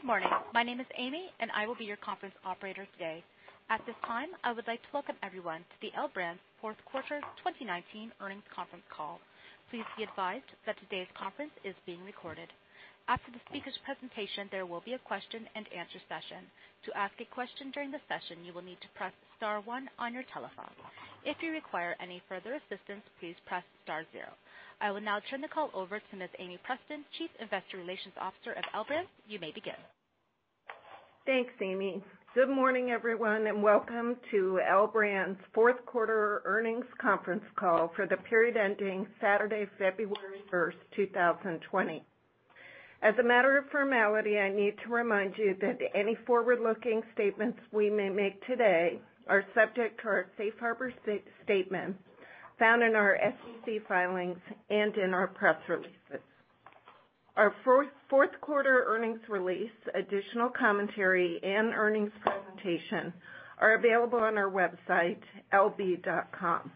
Good morning. My name is Amie, and I will be your conference operator today. At this time, I would like to welcome everyone to the L Brands' Fourth Quarter 2019 Earnings Conference Call. Please be advised that today's conference is being recorded. After the speaker's presentation, there will be a question-and-answer session. To ask a question during the session, you will need to press star one on your telephone. If you require any further assistance, please press star zero. I will now turn the call over to Ms. Amie Preston, Chief Investor Relations Officer of L Brands. You may begin. Thanks, Amie. Good morning, everyone, and welcome to L Brands' Fourth Quarter Earnings Conference Call for the period ending Saturday, February 1st, 2020. As a matter of formality, I need to remind you that any forward-looking statements we may make today are subject to our Safe Harbor statement found in our SEC filings and in our press releases. Our Fourth Quarter earnings release, additional commentary, and earnings presentation are available on our website, lb.com.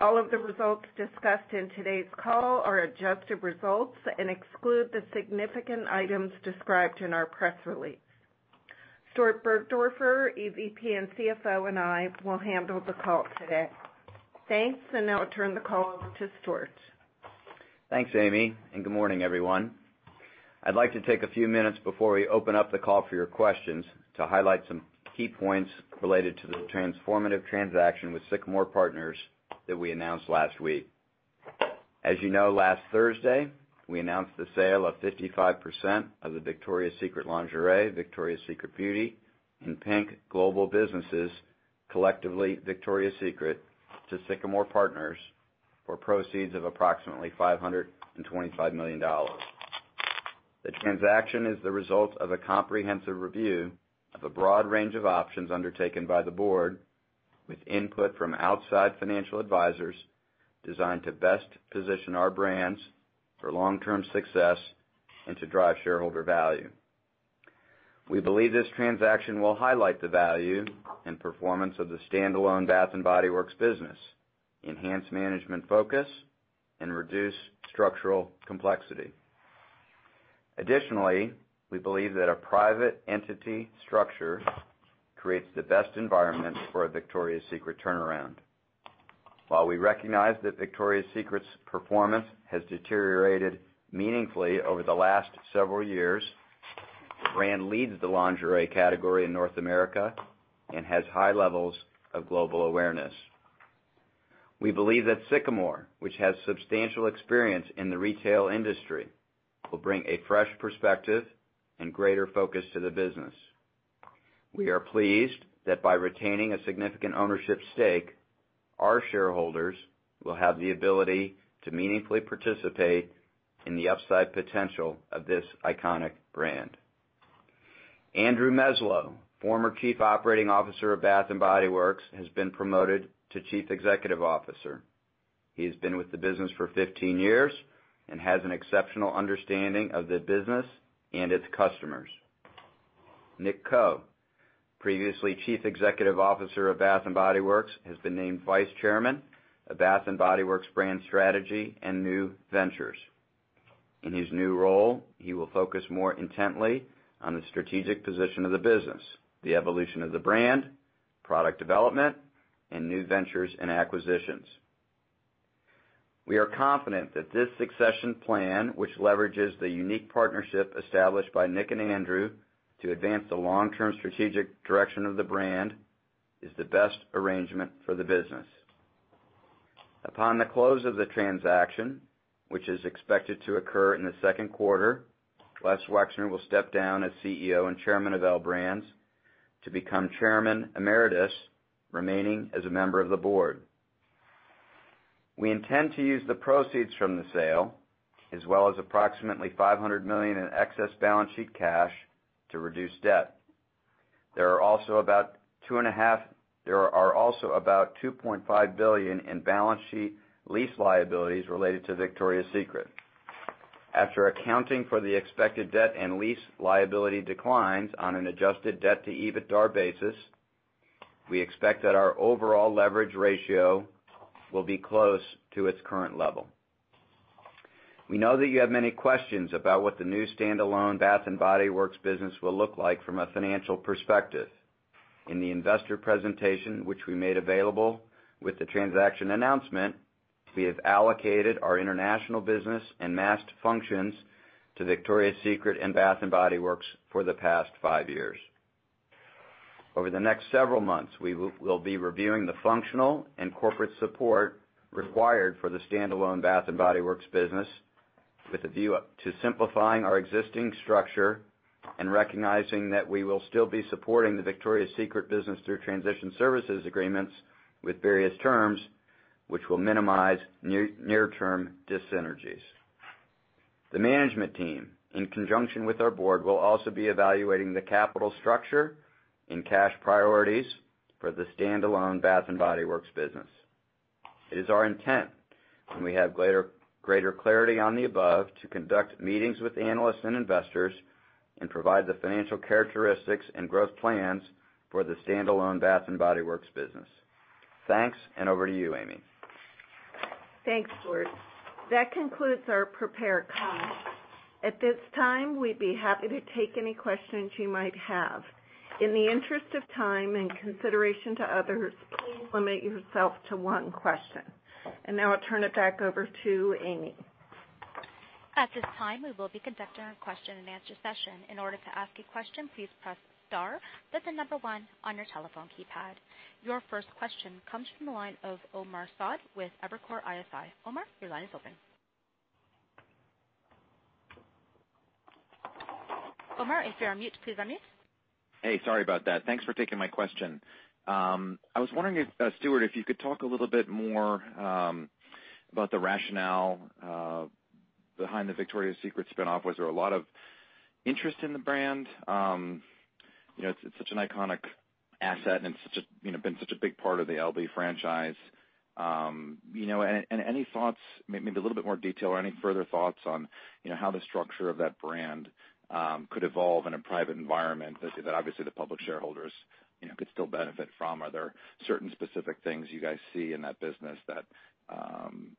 All of the results discussed in today's call are adjusted results and exclude the significant items described in our press release. Stuart Burgdoerfer, EVP and CFO, and I will handle the call today. Thanks, and I'll turn the call over to Stuart. Thanks, Amie, and good morning, everyone. I'd like to take a few minutes before we open up the call for your questions to highlight some key points related to the transformative transaction with Sycamore Partners that we announced last week. As you know, last Thursday, we announced the sale of 55% of the Victoria's Secret Lingerie, Victoria's Secret Beauty, and PINK global businesses, collectively Victoria's Secret, to Sycamore Partners for proceeds of approximately $525 million. The transaction is the result of a comprehensive review of a broad range of options undertaken by the board with input from outside financial advisors designed to best position our brands for long-term success and to drive shareholder value. We believe this transaction will highlight the value and performance of the standalone Bath & Body Works business, enhance management focus, and reduce structural complexity. Additionally, we believe that a private entity structure creates the best environment for a Victoria's Secret turnaround. While we recognize that Victoria's Secret's performance has deteriorated meaningfully over the last several years, the brand leads the lingerie category in North America and has high levels of global awareness. We believe that Sycamore, which has substantial experience in the retail industry, will bring a fresh perspective and greater focus to the business. We are pleased that by retaining a significant ownership stake, our shareholders will have the ability to meaningfully participate in the upside potential of this iconic brand. Andrew Meslow, former Chief Operating Officer of Bath & Body Works, has been promoted to Chief Executive Officer. He has been with the business for 15 years and has an exceptional understanding of the business and its customers. Nick Coe, previously Chief Executive Officer of Bath & Body Works, has been named Vice Chairman of Bath & Body Works Brand Strategy and New Ventures. In his new role, he will focus more intently on the strategic position of the business, the evolution of the brand, product development, and new ventures and acquisitions. We are confident that this succession plan, which leverages the unique partnership established by Nick and Andrew to advance the long-term strategic direction of the brand, is the best arrangement for the business. Upon the close of the transaction, which is expected to occur in the second quarter, Les Wexner will step down as CEO and Chairman of L Brands to become Chairman Emeritus, remaining as a member of the board. We intend to use the proceeds from the sale, as well as approximately $500 million in excess balance sheet cash, to reduce debt. There are also about $2.5 billion in balance sheet lease liabilities related to Victoria's Secret. After accounting for the expected debt and lease liability declines on an adjusted debt-to-EBITDA basis, we expect that our overall leverage ratio will be close to its current level. We know that you have many questions about what the new standalone Bath & Body Works business will look like from a financial perspective. In the investor presentation, which we made available with the transaction announcement, we have allocated our international business and Mast functions to Victoria's Secret and Bath & Body Works for the past five years. Over the next several months, we will be reviewing the functional and corporate support required for the standalone Bath & Body Works business, with a view to simplifying our existing structure and recognizing that we will still be supporting the Victoria's Secret business through transition services agreements with various terms, which will minimize near-term dyssynergies. The management team, in conjunction with our board, will also be evaluating the capital structure and cash priorities for the standalone Bath & Body Works business. It is our intent, when we have greater clarity on the above, to conduct meetings with analysts and investors and provide the financial characteristics and growth plans for the standalone Bath & Body Works business. Thanks, and over to you, Amie. Thanks, Stuart. That concludes our prepared comments. At this time, we'd be happy to take any questions you might have. In the interest of time and consideration to others, please limit yourself to one question. And now I'll turn it back over to Amie. At this time, we will be conducting our question-and-answer session. In order to ask a question, please press star with the number one on your telephone keypad. Your first question comes from the line of Omar Saad with Evercore ISI. Omar, your line is open. Omar, if you're on mute, please unmute. Hey, sorry about that. Thanks for taking my question. I was wondering, Stuart, if you could talk a little bit more about the rationale behind the Victoria's Secret spinoff. Was there a lot of interest in the brand? It's such an iconic asset, and it's been such a big part of the LB franchise. And any thoughts, maybe a little bit more detail, or any further thoughts on how the structure of that brand could evolve in a private environment that obviously the public shareholders could still benefit from? Are there certain specific things you guys see in that business that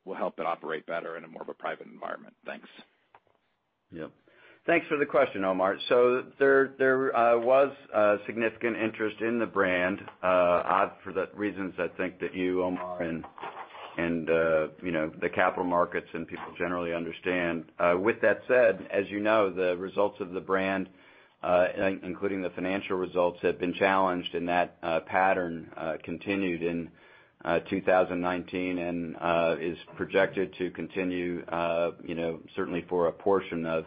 will help it operate better in more of a private environment? Thanks. Yep. Thanks for the question, Omar. So there was significant interest in the brand, for the reasons I think that you, Omar, and the capital markets and people generally understand. With that said, as you know, the results of the brand, including the financial results, have been challenged, and that pattern continued in 2019 and is projected to continue, certainly, for a portion of 2020.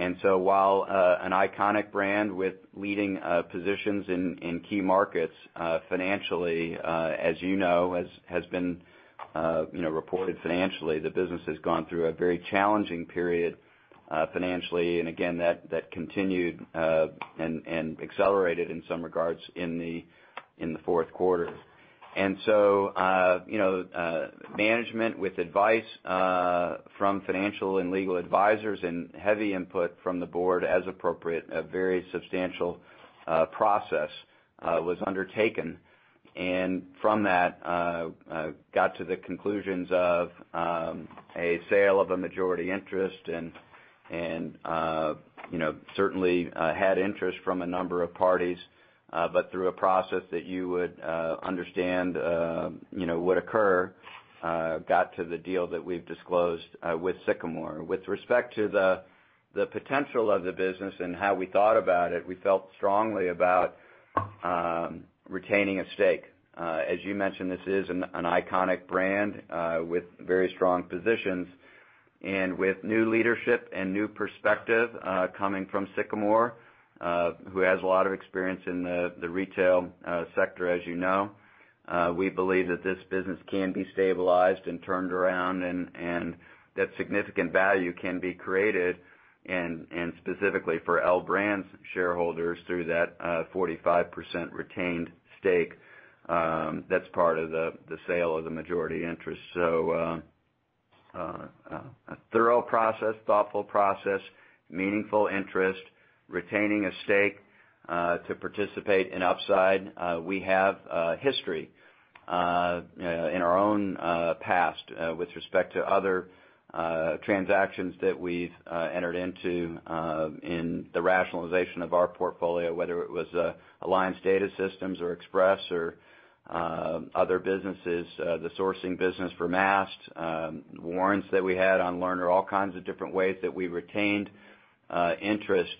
And so while an iconic brand with leading positions in key markets financially, as you know, has been reported financially, the business has gone through a very challenging period financially. And again, that continued and accelerated in some regards in the fourth quarter. And so management, with advice from financial and legal advisors and heavy input from the board as appropriate, a very substantial process was undertaken. And from that, got to the conclusions of a sale of a majority interest and certainly had interest from a number of parties, but through a process that you would understand would occur, got to the deal that we've disclosed with Sycamore. With respect to the potential of the business and how we thought about it, we felt strongly about retaining a stake. As you mentioned, this is an iconic brand with very strong positions. And with new leadership and new perspective coming from Sycamore, who has a lot of experience in the retail sector, as you know, we believe that this business can be stabilized and turned around and that significant value can be created, and specifically for L Brands shareholders through that 45% retained stake that's part of the sale of the majority interest. So, a thorough process, thoughtful process, meaningful interest, retaining a stake to participate in upside. We have history in our own past with respect to other transactions that we've entered into in the rationalization of our portfolio, whether it was Alliance Data Systems or Express or other businesses, the sourcing business for Mast, warrants that we had on Lerner, all kinds of different ways that we retained interest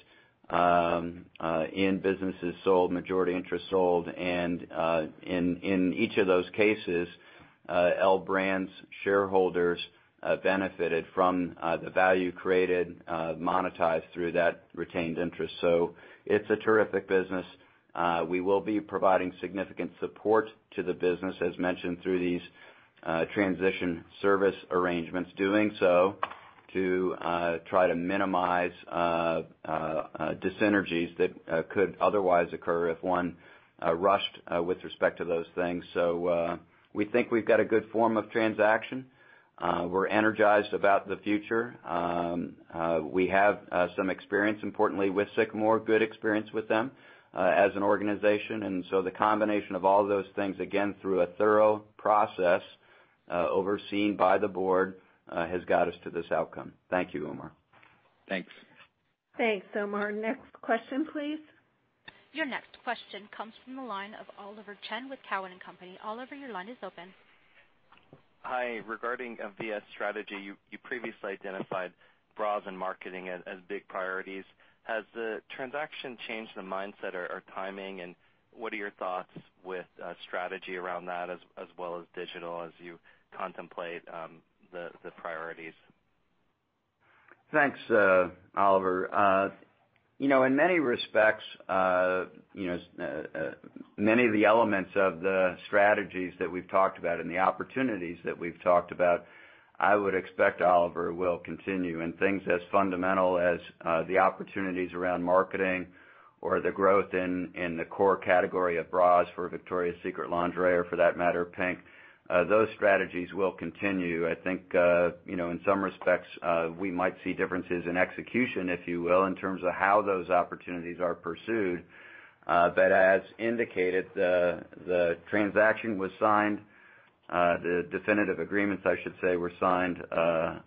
in businesses sold, majority interest sold. And in each of those cases, L Brands shareholders benefited from the value created, monetized through that retained interest. So it's a terrific business. We will be providing significant support to the business, as mentioned, through these transition service arrangements, doing so to try to minimize dyssynergies that could otherwise occur if one rushed with respect to those things. So we think we've got a good form of transaction. We're energized about the future. We have some experience, importantly, with Sycamore, good experience with them as an organization. And so the combination of all those things, again, through a thorough process overseen by the board, has got us to this outcome. Thank you, Omar. Thanks. Thanks, Omar. Next question, please. Your next question comes from the line of Oliver Chen with Cowen and Company. Oliver, your line is open. Hi. Regarding VS Strategy, you previously identified bras and marketing as big priorities. Has the transaction changed the mindset or timing? And what are your thoughts with strategy around that, as well as digital, as you contemplate the priorities? Thanks, Oliver. In many respects, many of the elements of the strategies that we've talked about and the opportunities that we've talked about, I would expect Oliver will continue. And things as fundamental as the opportunities around marketing or the growth in the core category of bras for Victoria's Secret Lingerie, or for that matter, PINK, those strategies will continue. I think in some respects, we might see differences in execution, if you will, in terms of how those opportunities are pursued. But as indicated, the transaction was signed. The definitive agreements, I should say, were signed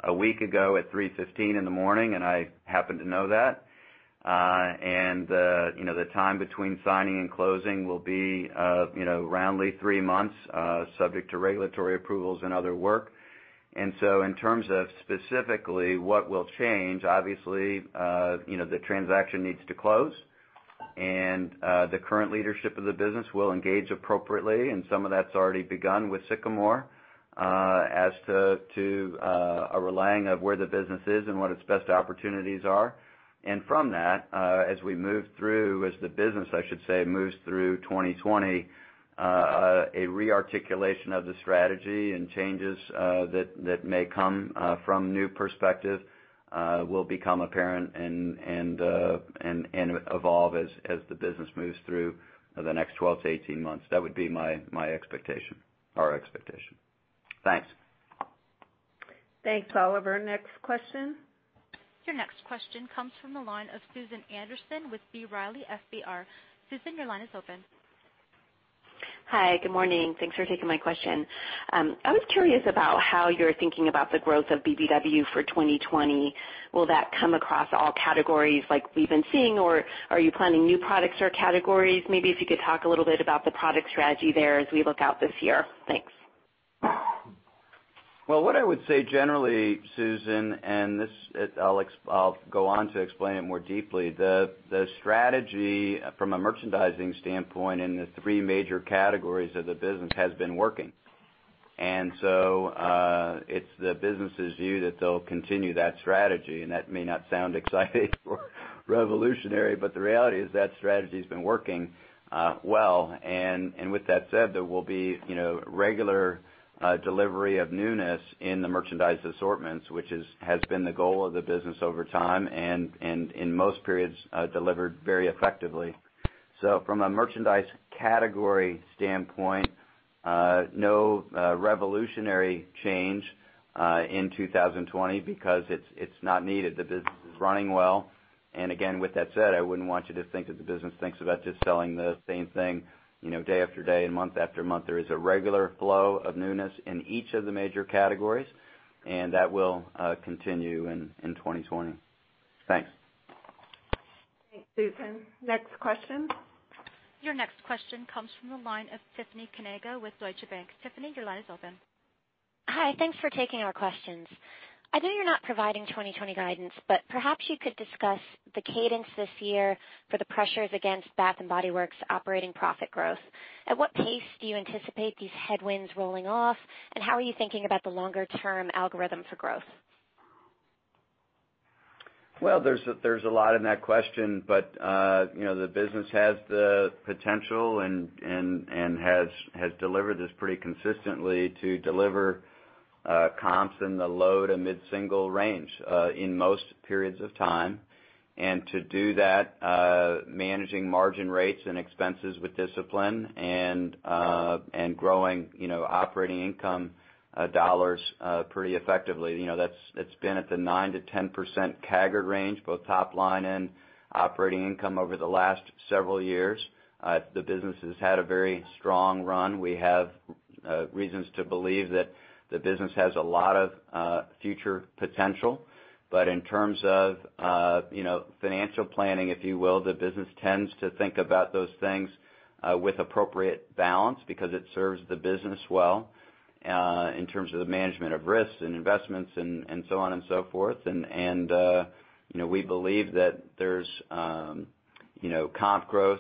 a week ago at 3:15 A.M., and I happen to know that. And the time between signing and closing will be roundly three months, subject to regulatory approvals and other work. And so in terms of specifically what will change, obviously, the transaction needs to close. The current leadership of the business will engage appropriately. Some of that's already begun with Sycamore as to a relaying of where the business is and what its best opportunities are. From that, as we move through, as the business, I should say, moves through 2020, a re-articulation of the strategy and changes that may come from new perspective will become apparent and evolve as the business moves through the next 12-18 months. That would be my expectation, our expectation. Thanks. Thanks, Oliver. Next question. Your next question comes from the line of Susan Anderson with B. Riley FBR. Susan, your line is open. Hi. Good morning. Thanks for taking my question. I was curious about how you're thinking about the growth of BBW for 2020. Will that come across all categories like we've been seeing, or are you planning new products or categories? Maybe if you could talk a little bit about the product strategy there as we look out this year. Thanks. What I would say generally, Susan, and I'll go on to explain it more deeply, the strategy from a merchandising standpoint in the three major categories of the business has been working. It's the business's view that they'll continue that strategy. That may not sound exciting or revolutionary, but the reality is that strategy has been working well. With that said, there will be regular delivery of newness in the merchandise assortments, which has been the goal of the business over time and in most periods delivered very effectively. From a merchandise category standpoint, no revolutionary change in 2020 because it's not needed. The business is running well. Again, with that said, I wouldn't want you to think that the business thinks about just selling the same thing day after day and month after month. There is a regular flow of newness in each of the major categories, and that will continue in 2020. Thanks. Thanks, Susan. Next question. Your next question comes from the line of Tiffany Kanaga with Deutsche Bank. Tiffany, your line is open. Hi. Thanks for taking our questions. I know you're not providing 2020 guidance, but perhaps you could discuss the cadence this year for the pressures against Bath & Body Works operating profit growth. At what pace do you anticipate these headwinds rolling off, and how are you thinking about the longer-term algorithm for growth? There's a lot in that question, but the business has the potential and has delivered this pretty consistently to deliver comps in the low to mid-single range in most periods of time. To do that, managing margin rates and expenses with discipline and growing operating income dollars pretty effectively. That's been at the 9%-10% CAGR range, both top line and operating income over the last several years. The business has had a very strong run. We have reasons to believe that the business has a lot of future potential. In terms of financial planning, if you will, the business tends to think about those things with appropriate balance because it serves the business well in terms of the management of risks and investments and so on and so forth. We believe that there's comp growth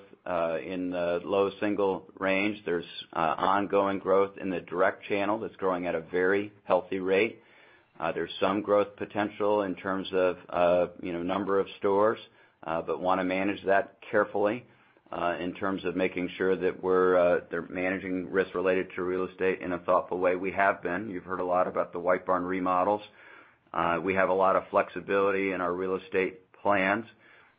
in the low single range. There's ongoing growth in the direct channel that's growing at a very healthy rate. There's some growth potential in terms of number of stores, but want to manage that carefully in terms of making sure that we're managing risks related to real estate in a thoughtful way. We have been. You've heard a lot about the White Barn remodels. We have a lot of flexibility in our real estate plans.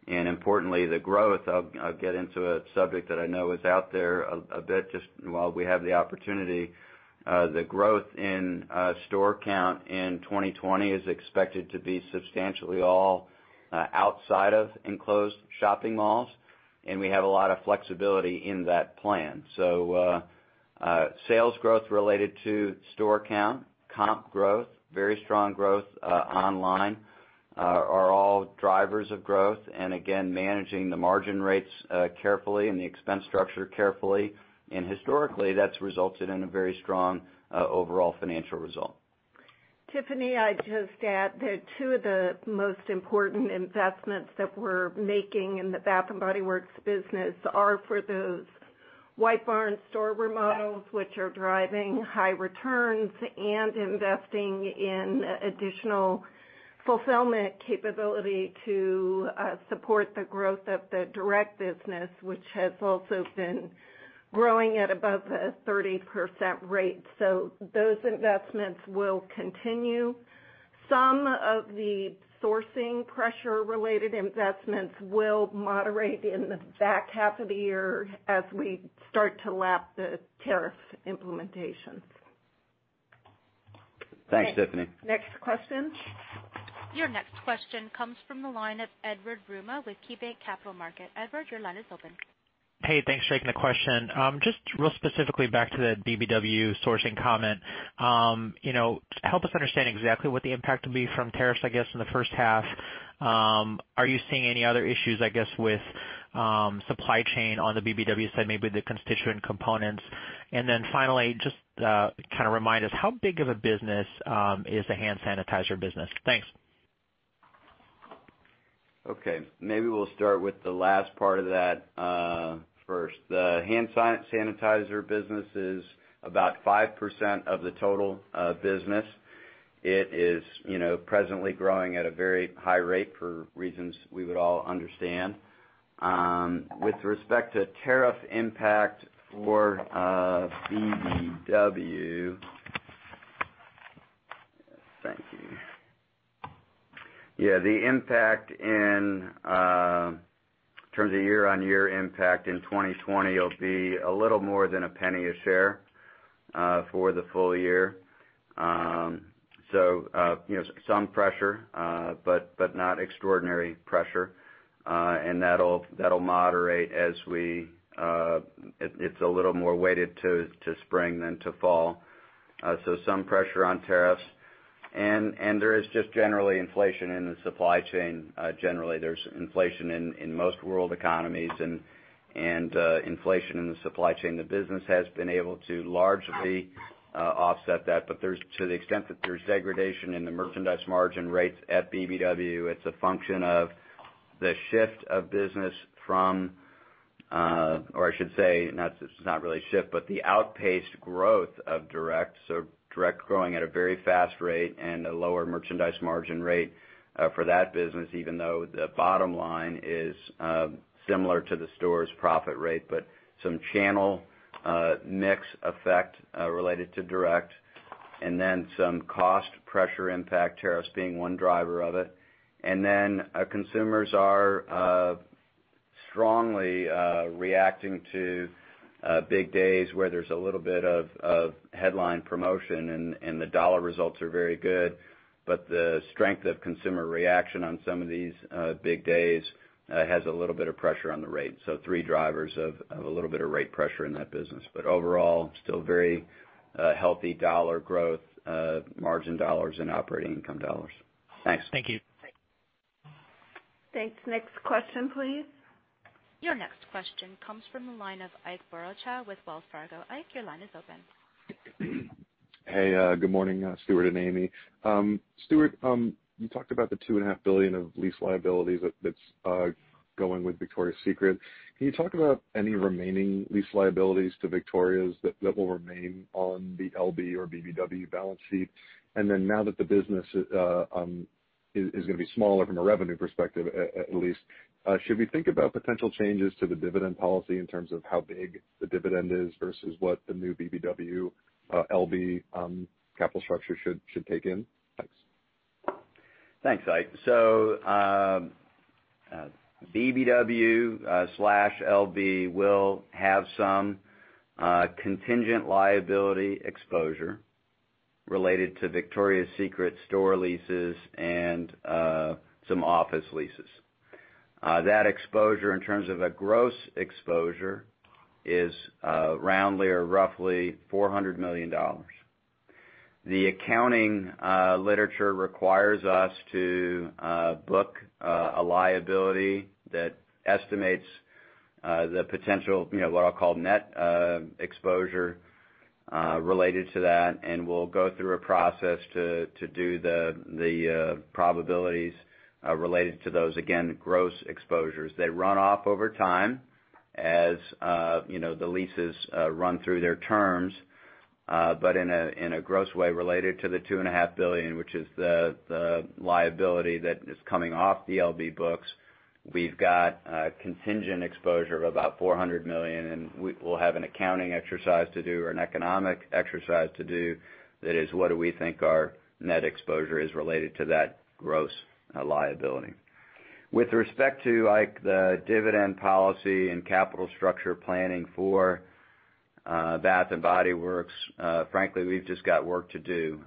Importantly, the growth. I'll get into a subject that I know is out there a bit just while we have the opportunity. The growth in store count in 2020 is expected to be substantially all outside of enclosed shopping malls. We have a lot of flexibility in that plan. Sales growth related to store count, comp growth, very strong growth online are all drivers of growth. Again, managing the margin rates carefully and the expense structure carefully. Historically, that's resulted in a very strong overall financial result. Tiffany, I just add there are two of the most important investments that we're making in the Bath & Body Works business are for those White Barn store remodels, which are driving high returns and investing in additional fulfillment capability to support the growth of the direct business, which has also been growing at above a 30% rate, so those investments will continue. Some of the sourcing pressure-related investments will moderate in the back half of the year as we start to lap the tariff implementation. Thanks, Tiffany. Next question. Your next question comes from the line of Edward Yruma with KeyBanc Capital Markets. Edward, your line is open. Hey, thanks for taking the question. Just real specifically back to the BBW sourcing comment, help us understand exactly what the impact will be from tariffs, I guess, in the first half. Are you seeing any other issues, I guess, with supply chain on the BBW side, maybe the constituent components? And then finally, just kind of remind us, how big of a business is the hand sanitizer business? Thanks. Okay. Maybe we'll start with the last part of that first. The hand sanitizer business is about 5% of the total business. It is presently growing at a very high rate for reasons we would all understand. With respect to tariff impact for BBW, thank you. Yeah, the impact in terms of year-on-year impact in 2020 will be a little more than $0.01 a share for the full year. So some pressure, but not extraordinary pressure. And that'll moderate as we. It's a little more weighted to spring than to fall. So some pressure on tariffs. And there is just generally inflation in the supply chain. Generally, there's inflation in most world economies and inflation in the supply chain. The business has been able to largely offset that. But to the extent that there's degradation in the merchandise margin rates at BBW, it's a function of the shift of business from, or I should say, not really shift, but the outpaced growth of direct. So direct growing at a very fast rate and a lower merchandise margin rate for that business, even though the bottom line is similar to the store's profit rate, but some channel mix effect related to direct. And then some cost pressure impact tariffs being one driver of it. And then consumers are strongly reacting to big days where there's a little bit of headline promotion and the dollar results are very good. But the strength of consumer reaction on some of these big days has a little bit of pressure on the rate. So three drivers of a little bit of rate pressure in that business. But overall, still very healthy dollar growth, margin dollars, and operating income dollars. Thanks. Thank you. Thanks. Next question, please. Your next question comes from the line of Ike Boruchow with Wells Fargo. Ike, your line is open. Hey, good morning, Stuart and Amie. Stuart, you talked about the $2.5 billion of lease liabilities that's going with Victoria's Secret. Can you talk about any remaining lease liabilities to Victoria's that will remain on the LB or BBW balance sheet? And then now that the business is going to be smaller from a revenue perspective, at least, should we think about potential changes to the dividend policy in terms of how big the dividend is versus what the new BBW/LB capital structure should take in? Thanks. Thanks, Ike. So BBW/LB will have some contingent liability exposure related to Victoria's Secret store leases and some office leases. That exposure, in terms of a gross exposure, is roundly or roughly $400 million. The accounting literature requires us to book a liability that estimates the potential, what I'll call net exposure related to that. And we'll go through a process to do the probabilities related to those, again, gross exposures. They run off over time as the leases run through their terms. But in a gross way related to the $2.5 billion, which is the liability that is coming off the LB books, we've got contingent exposure of about $400 million. And we'll have an accounting exercise to do or an economic exercise to do that is what do we think our net exposure is related to that gross liability. With respect to Ike, the dividend policy and capital structure planning for Bath & Body Works, frankly, we've just got work to do.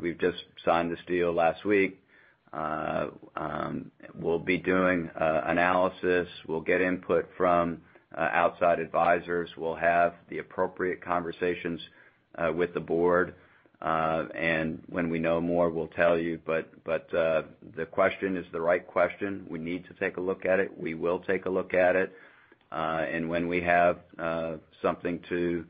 We've just signed this deal last week. We'll be doing analysis. We'll get input from outside advisors. We'll have the appropriate conversations with the board. And when we know more, we'll tell you. But the question is the right question. We need to take a look at it. We will take a look at it. And when we have something to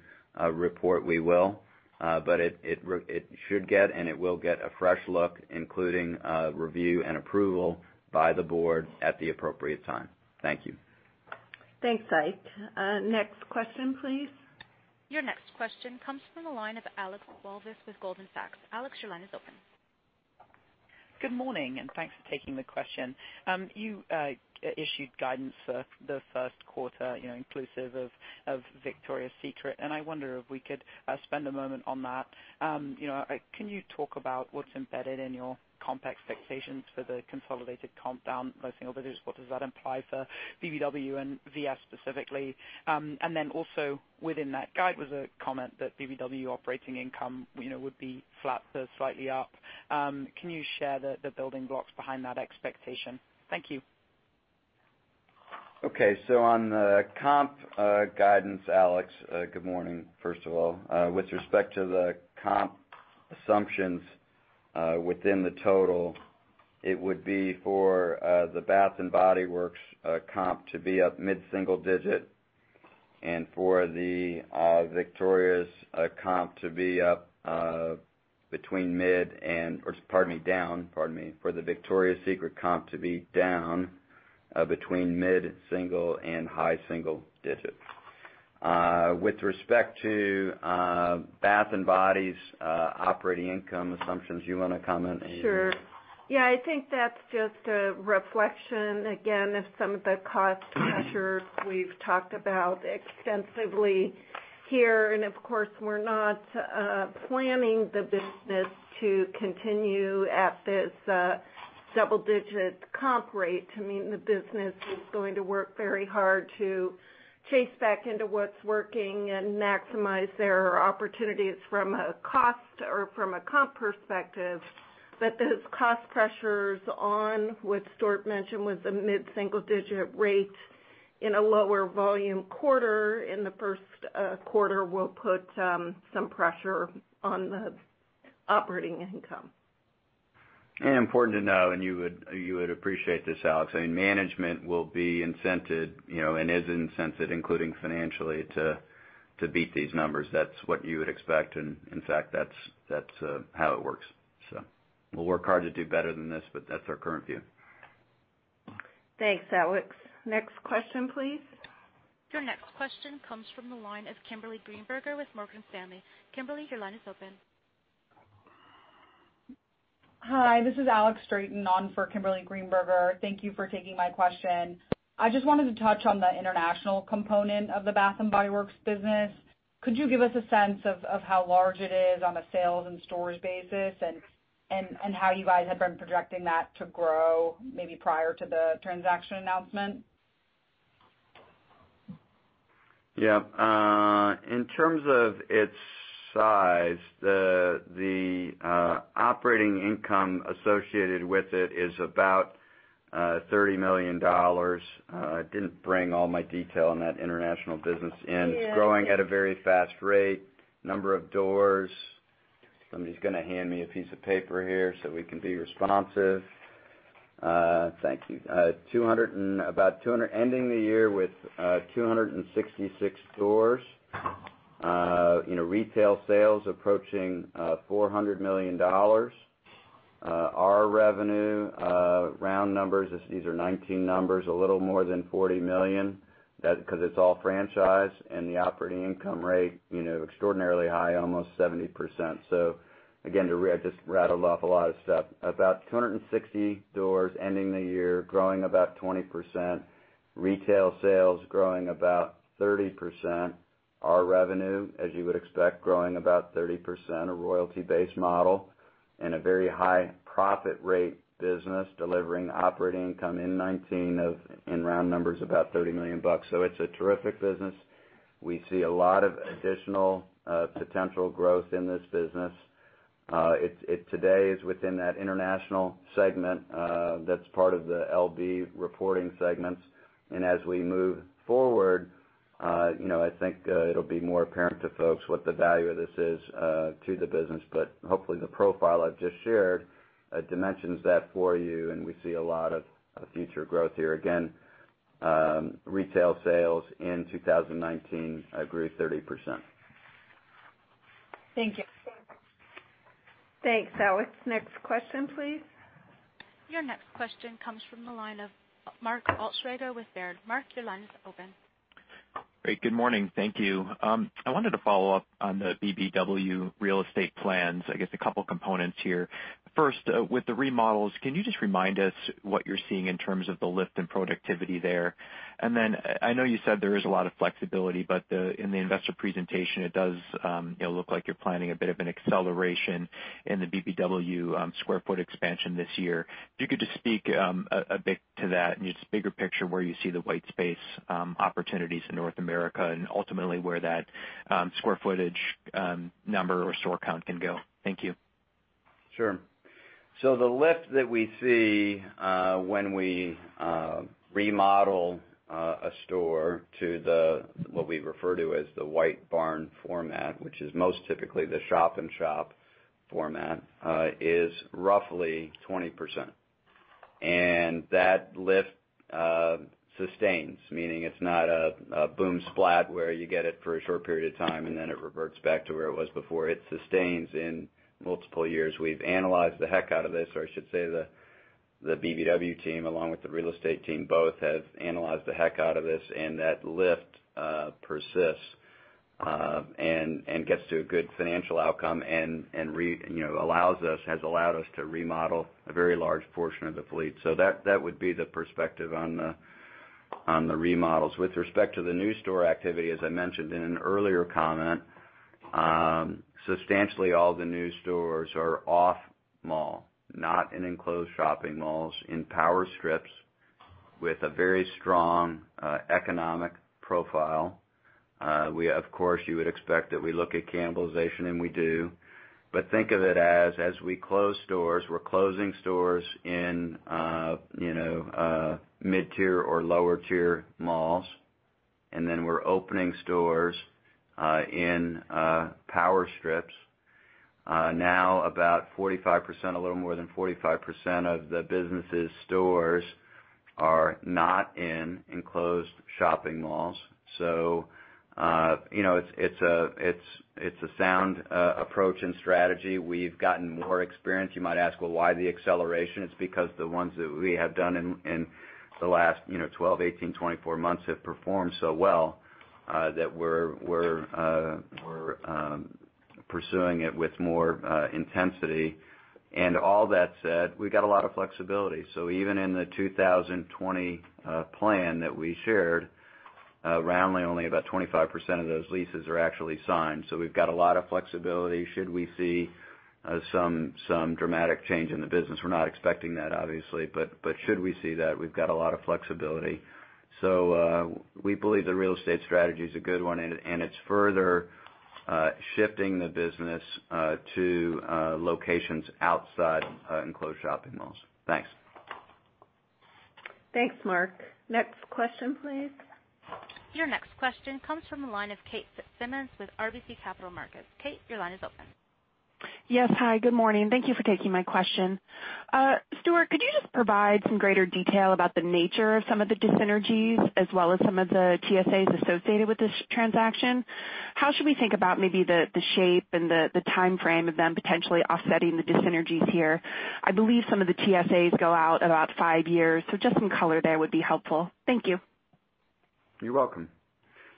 report, we will. But it should get and it will get a fresh look, including review and approval by the board at the appropriate time. Thank you. Thanks, Ike. Next question, please. Your next question comes from the line of Alex Walvis with Goldman Sachs. Alex, your line is open. Good morning, and thanks for taking the question. You issued guidance for the first quarter inclusive of Victoria's Secret, and I wonder if we could spend a moment on that. Can you talk about what's embedded in your comps expectations for the consolidated comps down low single digits? What does that imply for BBW and VS specifically, and then also within that guide was a comment that BBW operating income would be flat to slightly up. Can you share the building blocks behind that expectation? Thank you. Okay. So on the comp guidance, Alex, good morning, first of all. With respect to the comp assumptions within the total, it would be for the Bath & Body Works comp to be up mid-single digit and for the Victoria's comp to be up between mid and, pardon me, down, pardon me, for the Victoria's Secret comp to be down between mid-single and high-single digit. With respect to Bath & Body's operating income assumptions, you want to comment? Sure. Yeah, I think that's just a reflection, again, of some of the cost pressures we've talked about extensively here. And of course, we're not planning the business to continue at this double-digit comp rate. I mean, the business is going to work very hard to chase back into what's working and maximize their opportunities from a cost or from a comp perspective. But those cost pressures on, what Stuart mentioned, was a mid-single digit rate in a lower volume quarter in the first quarter will put some pressure on the operating income. Important to know, and you would appreciate this, Alex. I mean, management will be incented and is incented, including financially, to beat these numbers. That's what you would expect, and in fact, that's how it works, so we'll work hard to do better than this, but that's our current view. Thanks, Alex. Next question, please. Your next question comes from the line of Kimberly Greenberger with Morgan Stanley. Kimberly, your line is open. Hi, this is Alex Straton on for Kimberly Greenberger. Thank you for taking my question. I just wanted to touch on the international component of the Bath & Body Works business. Could you give us a sense of how large it is on a sales and stores basis and how you guys have been projecting that to grow maybe prior to the transaction announcement? Yeah. In terms of its size, the operating income associated with it is about $30 million. I didn't bring all my detail in that international business in. It's growing at a very fast rate. Number of doors. Somebody's going to hand me a piece of paper here so we can be responsive. Thank you. Ending the year with 266 doors. Retail sales approaching $400 million. Our revenue, round numbers, these are 2019 numbers, a little more than $40 million because it's all franchise. And the operating income rate, extraordinarily high, almost 70%. So again, I just rattled off a lot of stuff. About 260 doors ending the year, growing about 20%. Retail sales growing about 30%. Our revenue, as you would expect, growing about 30%, a royalty-based model, and a very high profit rate business delivering operating income in 2019 in round numbers about $30 million bucks. So it's a terrific business. We see a lot of additional potential growth in this business. Today, it's within that international segment that's part of the LB reporting segments, and as we move forward, I think it'll be more apparent to folks what the value of this is to the business, but hopefully, the profile I've just shared demonstrates that for you, and we see a lot of future growth here. Again, retail sales in 2019 grew 30%. Thank you. Thanks, Alex. Next question, please. Your next question comes from the line of Mark Altschwager with Baird. Mark, your line is open. Great. Good morning. Thank you. I wanted to follow up on the BBW real estate plans. I guess a couple of components here. First, with the remodels, can you just remind us what you're seeing in terms of the lift in productivity there? And then I know you said there is a lot of flexibility, but in the investor presentation, it does look like you're planning a bit of an acceleration in the BBW square foot expansion this year. If you could just speak a bit to that and just bigger picture where you see the white space opportunities in North America and ultimately where that square footage number or store count can go. Thank you. Sure, so the lift that we see when we remodel a store to what we refer to as the White Barn format, which is most typically the shop-in-shop format, is roughly 20%, and that lift sustains, meaning it's not a boom splat where you get it for a short period of time and then it reverts back to where it was before. It sustains in multiple years. We've analyzed the heck out of this. Or I should say the BBW team, along with the real estate team, both have analyzed the heck out of this, and that lift persists and gets to a good financial outcome and allows us, has allowed us to remodel a very large portion of the fleet, so that would be the perspective on the remodels. With respect to the new store activity, as I mentioned in an earlier comment, substantially all the new stores are off mall, not in enclosed shopping malls, in power strips with a very strong economic profile. Of course, you would expect that we look at cannibalization, and we do. But think of it as, as we close stores, we're closing stores in mid-tier or lower-tier malls. And then we're opening stores in power strips. Now, about 45%, a little more than 45% of the business's stores are not in enclosed shopping malls. So it's a sound approach and strategy. We've gotten more experience. You might ask, well, why the acceleration? It's because the ones that we have done in the last 12, 18, 24 months have performed so well that we're pursuing it with more intensity. And all that said, we've got a lot of flexibility. So even in the 2020 plan that we shared, roundly only about 25% of those leases are actually signed. So we've got a lot of flexibility. Should we see some dramatic change in the business? We're not expecting that, obviously. But should we see that, we've got a lot of flexibility. So we believe the real estate strategy is a good one. And it's further shifting the business to locations outside enclosed shopping malls. Thanks. Thanks, Mark. Next question, please. Your next question comes from the line of Kate Fitzsimons with RBC Capital Markets. Kate, your line is open. Yes, hi. Good morning. Thank you for taking my question. Stuart, could you just provide some greater detail about the nature of some of the synergies as well as some of the TSAs associated with this transaction? How should we think about maybe the shape and the timeframe of them potentially offsetting the synergies here? I believe some of the TSAs go out about five years. So just some color there would be helpful. Thank you. You're welcome.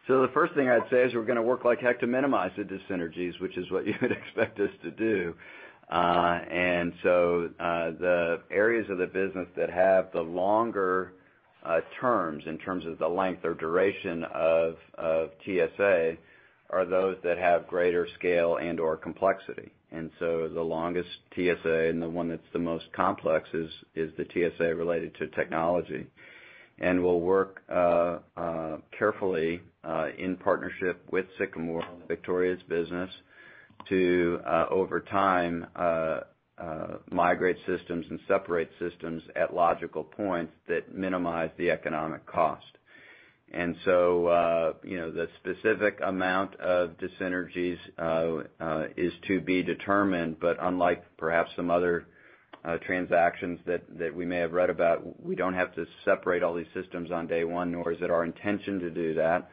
So the first thing I'd say is we're going to work like heck to minimize the synergies, which is what you would expect us to do. And so the areas of the business that have the longer terms in terms of the length or duration of TSA are those that have greater scale and/or complexity. And so the longest TSA and the one that's the most complex is the TSA related to technology. And we'll work carefully in partnership with Sycamore, Victoria's business, to over time migrate systems and separate systems at logical points that minimize the economic cost. And so the specific amount of synergies is to be determined. But unlike perhaps some other transactions that we may have read about, we don't have to separate all these systems on day one, nor is it our intention to do that.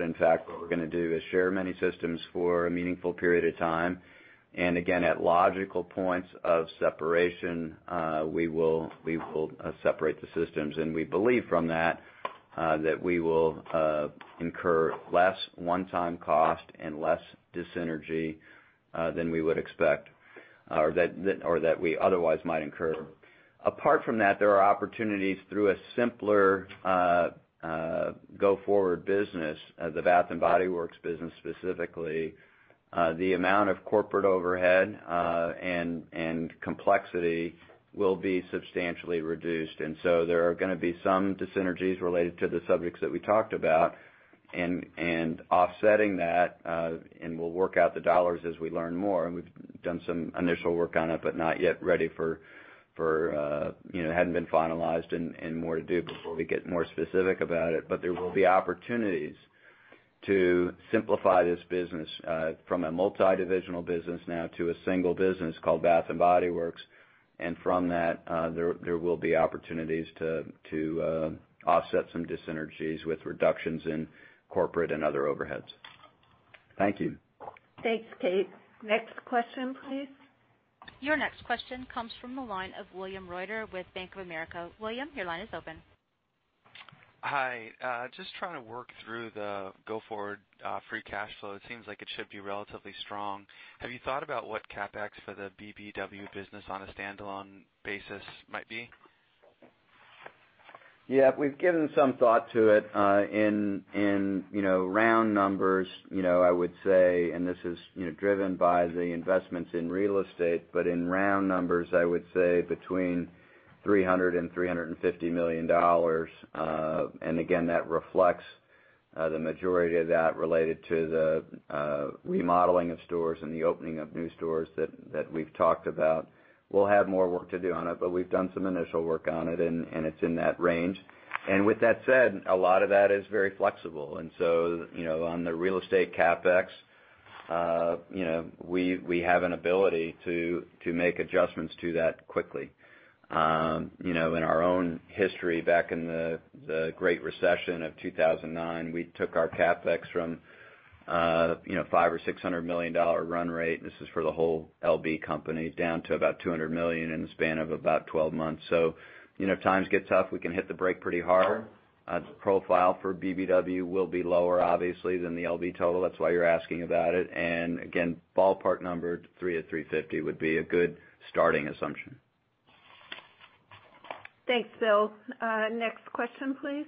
In fact, what we're going to do is share many systems for a meaningful period of time. Again, at logical points of separation, we will separate the systems. We believe from that that we will incur less one-time cost and less synergy than we would expect or that we otherwise might incur. Apart from that, there are opportunities through a simpler go-forward business, the Bath & Body Works business specifically. The amount of corporate overhead and complexity will be substantially reduced. So there are going to be some synergies related to the subjects that we talked about and offsetting that. We'll work out the dollars as we learn more. We've done some initial work on it, but not yet ready for it. It hadn't been finalized and more to do before we get more specific about it. But there will be opportunities to simplify this business from a multidivisional business now to a single business called Bath & Body Works. And from that, there will be opportunities to offset some synergies with reductions in corporate and other overheads. Thank you. Thanks, Kate. Next question, please. Your next question comes from the line of William Reuter with Bank of America. William, your line is open. Hi. Just trying to work through the go-forward free cash flow. It seems like it should be relatively strong. Have you thought about what CapEx for the BBW business on a standalone basis might be? Yeah. We've given some thought to it in round numbers, I would say, and this is driven by the investments in real estate. But in round numbers, I would say between $300 million-$350 million. And again, that reflects the majority of that related to the remodeling of stores and the opening of new stores that we've talked about. We'll have more work to do on it, but we've done some initial work on it, and it's in that range. And with that said, a lot of that is very flexible. And so on the real estate CapEx, we have an ability to make adjustments to that quickly. In our own history, back in the Great Recession of 2009, we took our CapEx from a $500 million-$600 million run rate, and this is for the whole LB company, down to about $200 million in the span of about 12 months. So times get tough, we can hit the brake pretty hard. Profile for BBW will be lower, obviously, than the LB total. That's why you're asking about it. And again, ballpark number, $300 million-$350 million would be a good starting assumption. Thanks, Will. Next question, please.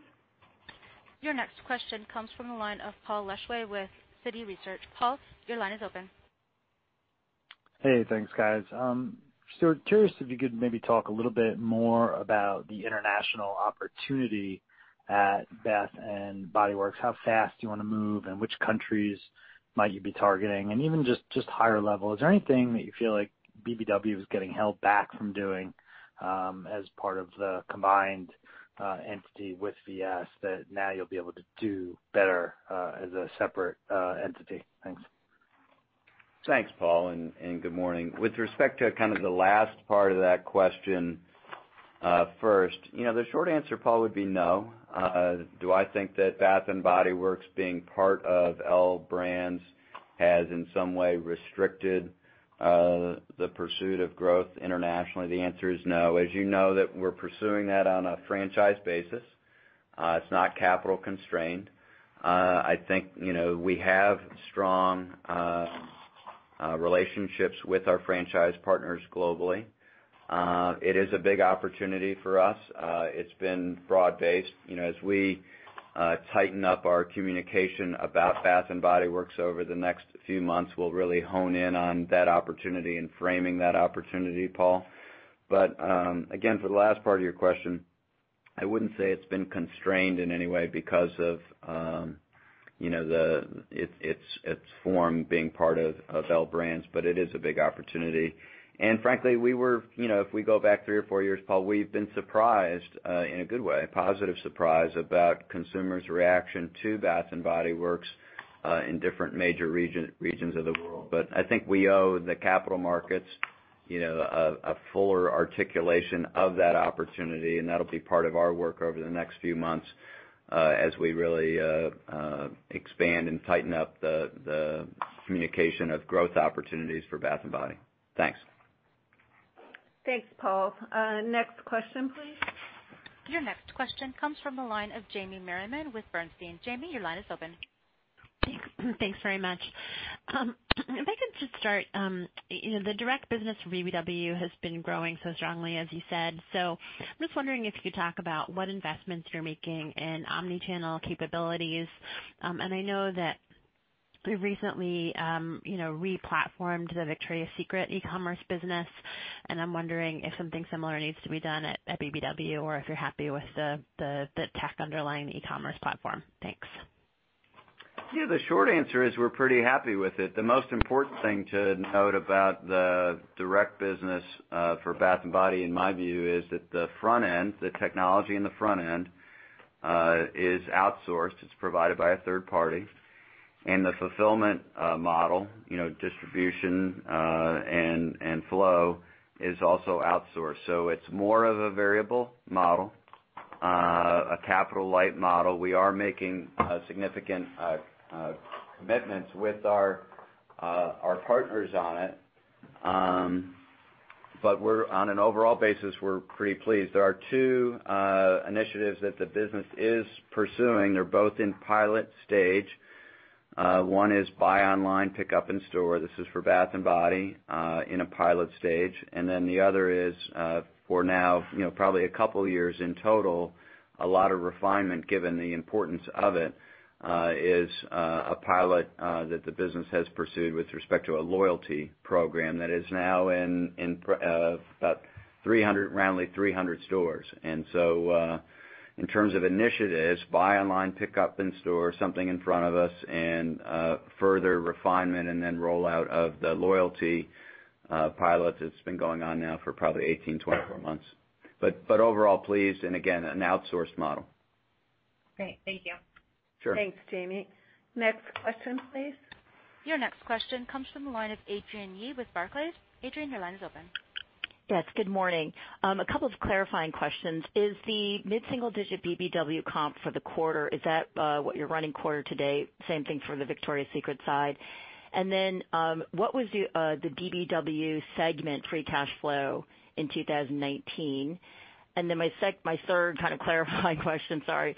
Your next question comes from the line of Paul Lejuez with Citi Research. Paul, your line is open. Hey, thanks, guys. Stuart, curious if you could maybe talk a little bit more about the international opportunity at Bath & Body Works. How fast do you want to move, and which countries might you be targeting? And even just higher level, is there anything that you feel like BBW is getting held back from doing as part of the combined entity with VS that now you'll be able to do better as a separate entity? Thanks. Thanks, Paul, and good morning. With respect to kind of the last part of that question first, the short answer, Paul, would be no. Do I think that Bath & Body Works being part of L Brands has in some way restricted the pursuit of growth internationally? The answer is no. As you know, that we're pursuing that on a franchise basis. It's not capital constrained. I think we have strong relationships with our franchise partners globally. It is a big opportunity for us. It's been broad-based. As we tighten up our communication about Bath & Body Works over the next few months, we'll really hone in on that opportunity and framing that opportunity, Paul. But again, for the last part of your question, I wouldn't say it's been constrained in any way because of its form being part of L Brands, but it is a big opportunity. And frankly, we were, if we go back three or four years, Paul, we've been surprised in a good way, positive surprise about consumers' reaction to Bath & Body Works in different major regions of the world. But I think we owe the capital markets a fuller articulation of that opportunity. And that'll be part of our work over the next few months as we really expand and tighten up the communication of growth opportunities for Bath & Body. Thanks. Thanks, Paul. Next question, please. Your next question comes from the line of Jamie Merriman with Bernstein. Jamie, your line is open. Thanks very much. If I could just start, the direct business for BBW has been growing so strongly, as you said. So I'm just wondering if you could talk about what investments you're making in omnichannel capabilities. And I know that you recently re-platformed the Victoria's Secret e-commerce business. And I'm wondering if something similar needs to be done at BBW or if you're happy with the tech underlying e-commerce platform. Thanks. Yeah, the short answer is we're pretty happy with it. The most important thing to note about the direct business for Bath & Body, in my view, is that the front end, the technology in the front end, is outsourced. It's provided by a third party. And the fulfillment model, distribution and flow, is also outsourced. So it's more of a variable model, a capital light model. We are making significant commitments with our partners on it. But on an overall basis, we're pretty pleased. There are two initiatives that the business is pursuing. They're both in pilot stage. One is buy online, pick up in store. This is for Bath & Body in a pilot stage. And then the other is for now, probably a couple of years in total, a lot of refinement, given the importance of it, is a pilot that the business has pursued with respect to a loyalty program that is now in roundly 300 stores. And so in terms of initiatives, buy online, pick up in store, something in front of us, and further refinement and then rollout of the loyalty pilot that's been going on now for probably 18-24 months. But overall, pleased, and again, an outsourced model. Great. Thank you. Sure. Thanks, Jamie. Next question, please. Your next question comes from the line of Adrienne Yih with Barclays. Adrienne, your line is open. Yes, good morning. A couple of clarifying questions. Is the mid-single digit BBW comp for the quarter, is that what you're running quarter to date? Same thing for the Victoria's Secret side. And then what was the BBW segment free cash flow in 2019? And then my third kind of clarifying question, sorry,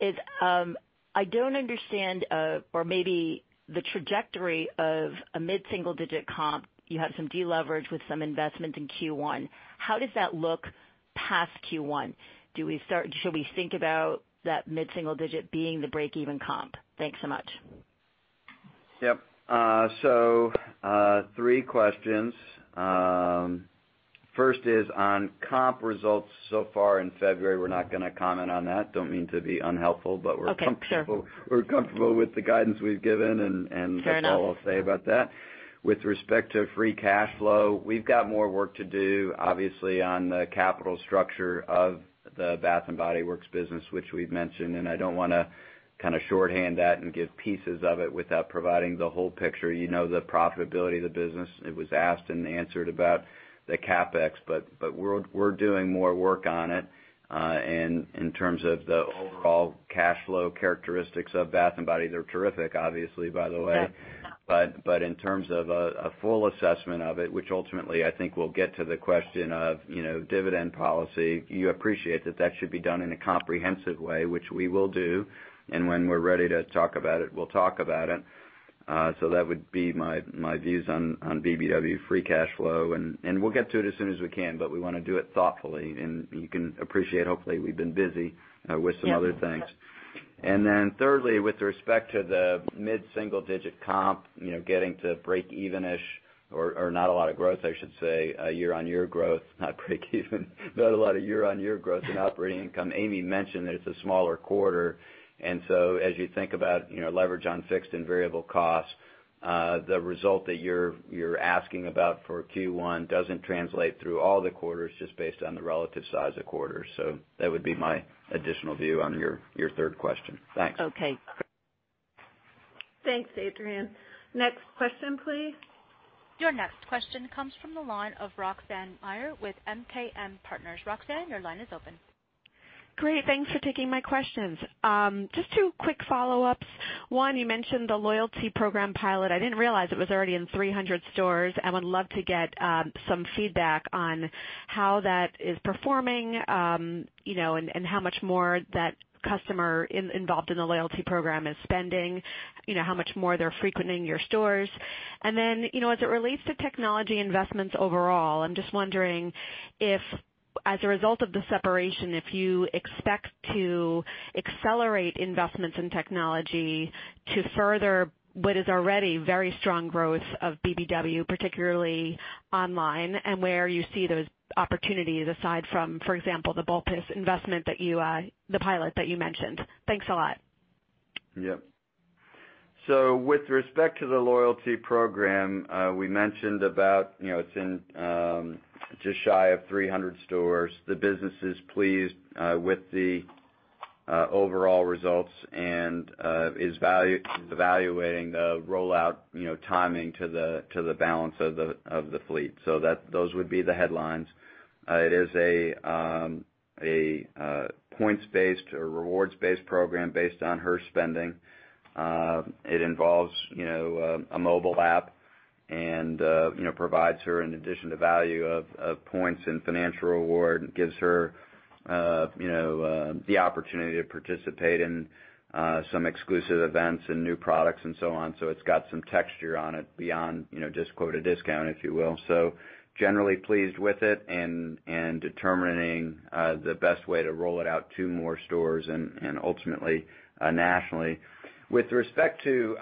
is I don't understand or maybe the trajectory of a mid-single digit comp. You have some deleverage with some investment in Q1. How does that look past Q1? Should we think about that mid-single digit being the break-even comp? Thanks so much. Yep, so three questions. First is on comp results so far in February. We're not going to comment on that. Don't mean to be unhelpful, but we're comfortable with the guidance we've given, and that's all I'll say about that. With respect to free cash flow, we've got more work to do, obviously, on the capital structure of the Bath & Body Works business, which we've mentioned, and I don't want to kind of shorthand that and give pieces of it without providing the whole picture. You know the profitability of the business. It was asked and answered about the CapEx, but we're doing more work on it, and in terms of the overall cash flow characteristics of Bath & Body, they're terrific, obviously, by the way. But in terms of a full assessment of it, which ultimately, I think we'll get to the question of dividend policy, you appreciate that that should be done in a comprehensive way, which we will do. And when we're ready to talk about it, we'll talk about it. So that would be my views on BBW free cash flow. And we'll get to it as soon as we can, but we want to do it thoughtfully. And you can appreciate, hopefully, we've been busy with some other things. And then thirdly, with respect to the mid-single digit comp, getting to break-even-ish or not a lot of growth, I should say, year-on-year growth, not break-even, not a lot of year-on-year growth in operating income. Amie mentioned that it's a smaller quarter. So as you think about leverage on fixed and variable costs, the result that you're asking about for Q1 doesn't translate through all the quarters just based on the relative size of quarters. That would be my additional view on your third question. Thanks. Okay. Thanks, Adrienne. Next question, please. Your next question comes from the line of Roxanne Meyer with MKM Partners. Roxanne, your line is open. Great. Thanks for taking my questions. Just two quick follow-ups. One, you mentioned the Loyalty Program pilot. I didn't realize it was already in 300 stores. I would love to get some feedback on how that is performing and how much more that customer involved in the Loyalty Program is spending, how much more they're frequenting your stores. And then as it relates to technology investments overall, I'm just wondering if, as a result of the separation, if you expect to accelerate investments in technology to further what is already very strong growth of BBW, particularly online, and where you see those opportunities aside from, for example, the BOPIS investment, the pilot that you mentioned. Thanks a lot. Yep. So with respect to the Loyalty Program, we mentioned about it's in just shy of 300 stores. The business is pleased with the overall results and is evaluating the rollout timing to the balance of the fleet. So those would be the headlines. It is a points-based or rewards-based program based on her spending. It involves a mobile app and provides her, in addition to value of points and financial reward, gives her the opportunity to participate in some exclusive events and new products and so on. So it's got some texture on it beyond just "a discount," if you will. So generally pleased with it and determining the best way to roll it out to more stores and ultimately nationally. With respect to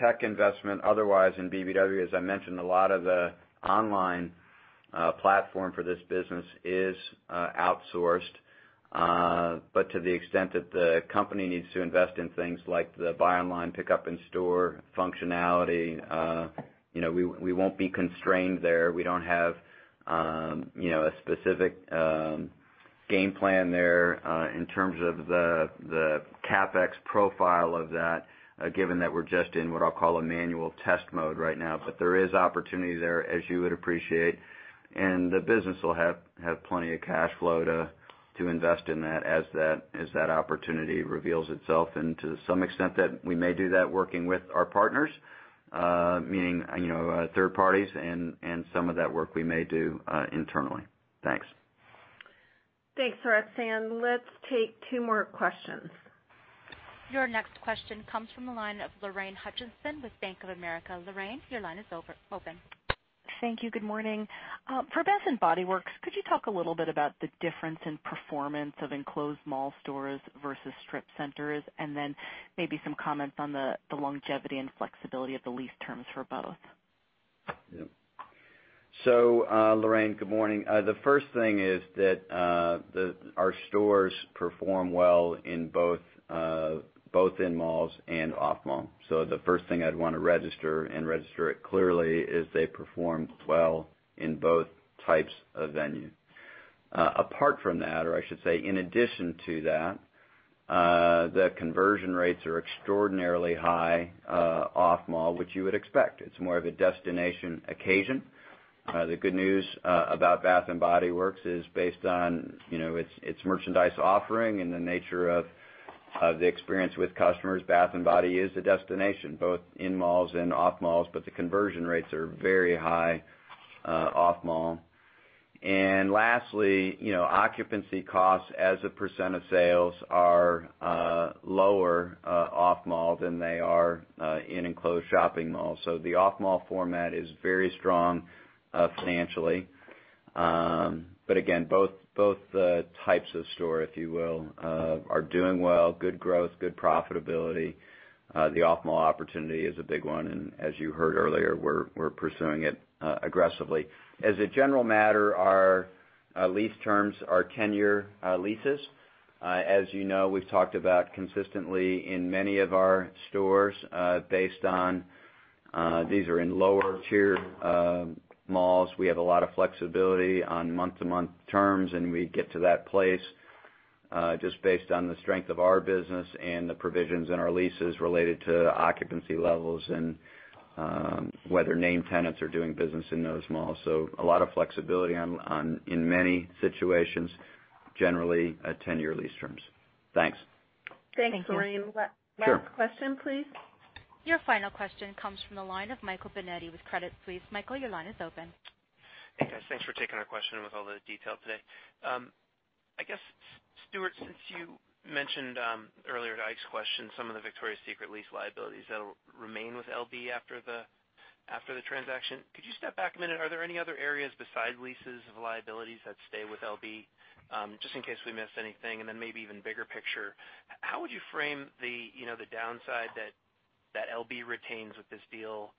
tech investment otherwise in BBW, as I mentioned, a lot of the online platform for this business is outsourced. But to the extent that the company needs to invest in things like the buy online, pick up in store functionality, we won't be constrained there. We don't have a specific game plan there in terms of the CapEx profile of that, given that we're just in what I'll call a manual test mode right now. But there is opportunity there, as you would appreciate. And the business will have plenty of cash flow to invest in that as that opportunity reveals itself. And to some extent, we may do that working with our partners, meaning third parties, and some of that work we may do internally. Thanks. Thanks, Roxanne. Let's take two more questions. Your next question comes from the line of Lorraine Hutchinson with Bank of America. Lorraine, your line is open. Thank you. Good morning. For Bath & Body Works, could you talk a little bit about the difference in performance of enclosed mall stores versus strip centers? And then maybe some comments on the longevity and flexibility of the lease terms for both? Yep. So Lorraine, good morning. The first thing is that our stores perform well in both in-malls and off-mall. So the first thing I'd want to register and register it clearly is they perform well in both types of venue. Apart from that, or I should say in addition to that, the conversion rates are extraordinarily high off-mall, which you would expect. It's more of a destination occasion. The good news about Bath & Body Works is based on its merchandise offering and the nature of the experience with customers. Bath & Body is a destination, both in-malls and off-malls, but the conversion rates are very high off-mall. And lastly, occupancy costs as a percent of sales are lower off-mall than they are in enclosed shopping malls. So the off-mall format is very strong financially. But again, both types of store, if you will, are doing well. Good growth, good profitability. The off-mall opportunity is a big one, and as you heard earlier, we're pursuing it aggressively. As a general matter, our lease terms are 10-year leases. As you know, we've talked about consistently in many of our stores based on these are in lower-tier malls. We have a lot of flexibility on month-to-month terms, and we get to that place just based on the strength of our business and the provisions in our leases related to occupancy levels and whether named tenants are doing business in those malls. So a lot of flexibility in many situations, generally 10-year lease terms. Thanks. Thanks, Lorraine. Last question, please. Your final question comes from the line of Michael Binetti with Credit Suisse, please. Michael, your line is open. Hey, guys. Thanks for taking our question with all the detail today. I guess, Stuart, since you mentioned earlier at Ike's question some of the Victoria's Secret lease liabilities that'll remain with LB after the transaction, could you step back a minute? Are there any other areas besides leases or liabilities that stay with LB, just in case we missed anything? And then maybe even bigger picture, how would you frame the downside that LB retains with this deal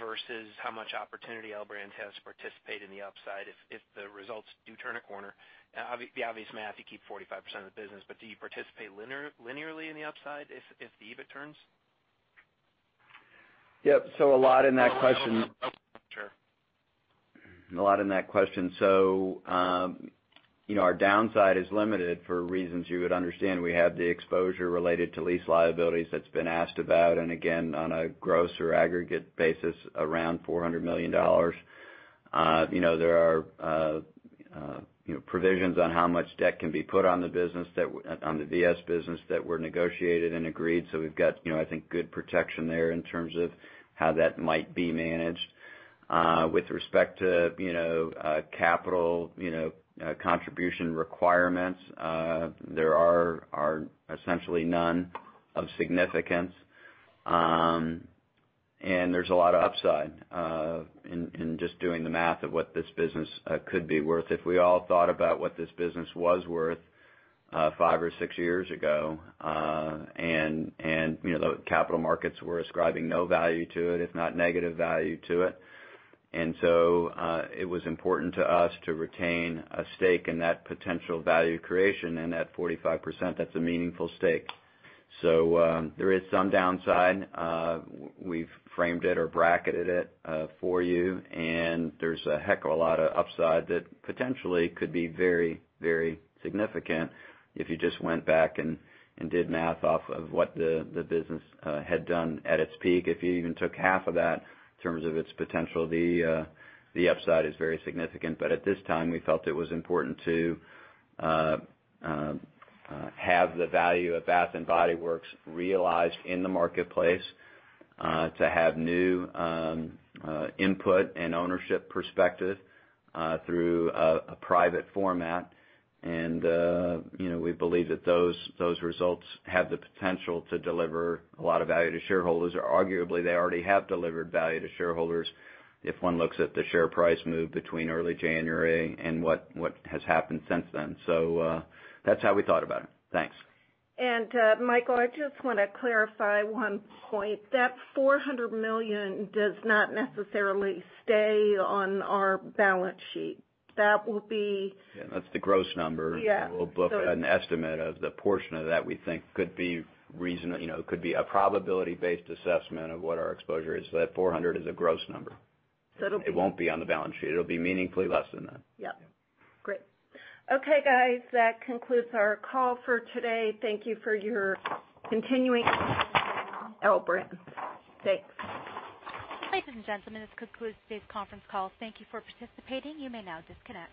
versus how much opportunity L Brands has to participate in the upside if the results do turn a corner? The obvious math, you keep 45% of the business, but do you participate linearly in the upside if the EBIT turns? Yep. So a lot in that question. Sure. A lot in that question. So our downside is limited for reasons you would understand. We have the exposure related to lease liabilities that's been asked about. And again, on a gross or aggregate basis, around $400 million. There are provisions on how much debt can be put on the business, on the VS business that were negotiated and agreed. So we've got, I think, good protection there in terms of how that might be managed. With respect to capital contribution requirements, there are essentially none of significance. And there's a lot of upside in just doing the math of what this business could be worth. If we all thought about what this business was worth five or six years ago, and the capital markets were ascribing no value to it, if not negative value to it. And so it was important to us to retain a stake in that potential value creation and that 45%. That's a meaningful stake. So there is some downside. We've framed it or bracketed it for you. And there's a heck of a lot of upside that potentially could be very, very significant if you just went back and did math off of what the business had done at its peak. If you even took half of that in terms of its potential, the upside is very significant. But at this time, we felt it was important to have the value of Bath & Body Works realized in the marketplace to have new input and ownership perspective through a private format. And we believe that those results have the potential to deliver a lot of value to shareholders. Arguably, they already have delivered value to shareholders if one looks at the share price move between early January and what has happened since then. So that's how we thought about it. Thanks. Michael, I just want to clarify one point. That $400 million does not necessarily stay on our balance sheet. That will be. Yeah. That's the gross number. We'll book an estimate of the portion of that we think could be reasonable. It could be a probability-based assessment of what our exposure is. That $400 million is a gross number. It won't be on the balance sheet. It'll be meaningfully less than that. Yep. Great. Okay, guys. That concludes our call for today. Thank you for your continuing support to L Brands. Thanks. Ladies and gentlemen, this concludes today's conference call. Thank you for participating. You may now disconnect.